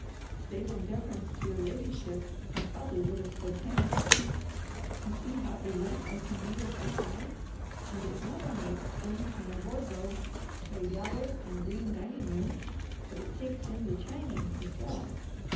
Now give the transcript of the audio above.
Save in deference to your ladyship I probably would have said pants. You see how ELITE I can be if I try. And it not only extends to my wardrobe, to a 'yaller' and green dining room, but it takes in the 'chany' as well.